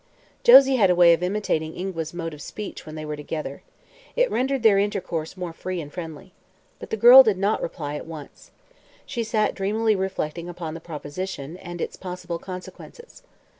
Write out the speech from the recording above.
Josie had a way of imitating Ingua's mode of speech when they were together. It rendered their intercourse more free and friendly. But the girl did not reply at once. She sat dreamily reflecting upon the proposition and its possible consequences.